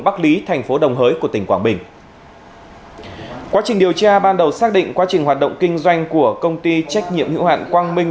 ban đầu xác định quá trình hoạt động kinh doanh của công ty trách nhiệm hữu hạn quang minh